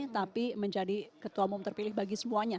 tapi menjadi ketua umum terpilih bagi semuanya